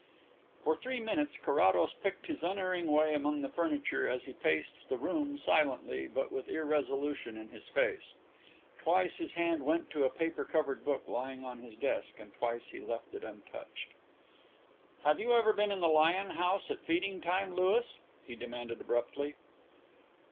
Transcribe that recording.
For three minutes Carrados picked his unerring way among the furniture as he paced the room silently but with irresolution in his face. Twice his hand went to a paper covered book lying on his desk, and twice he left it untouched. "Have you ever been in the lion house at feeding time, Louis?" he demanded abruptly.